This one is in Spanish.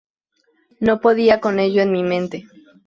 No podía con ello en mi mente.